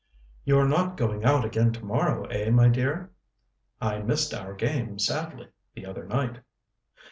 "You're not going out again tomorrow, eh, my dear? I missed our game sadly the other night."